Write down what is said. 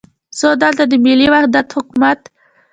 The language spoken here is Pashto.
خو دلته د ملي وحدت حکومت.